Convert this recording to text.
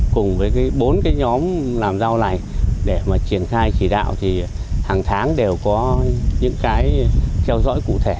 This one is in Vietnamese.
cùng với bốn cái nhóm làm rau này để mà triển khai chỉ đạo thì hàng tháng đều có những cái theo dõi cụ thể